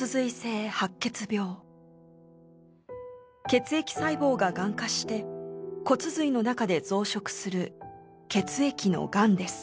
血液細胞ががん化して骨髄の中で増殖する血液のがんです。